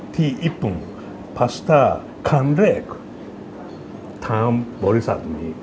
ที่ญี่ปุ่นพาสต้าคันเล็กทำบริษัทนี้